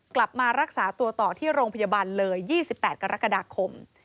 กลับมารักษาตัวต่อที่โรงพยาบาลเลย๒๘กรกฎาคม